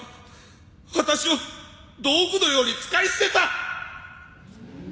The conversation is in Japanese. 私を道具のように使い捨てた！